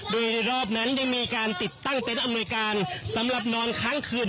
โดยรอบนั้นยังมีการติดตั้งเต็นต์อำนวยการสำหรับนอนค้างคืน